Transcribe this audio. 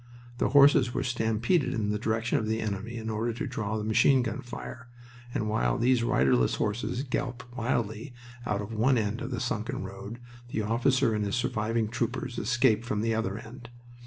The horses were stampeded in the direction of the enemy in order to draw the machine gun fire, and while these riderless horses galloped wildly out of one end of the sunken road, the officer and his surviving troopers escaped from the other end.